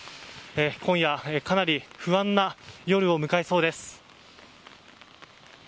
今夜、かなり不安な夜を迎えそうです。